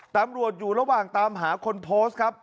ตำรวจอยู่ระหว่างตามหาคนโพสต์ครับ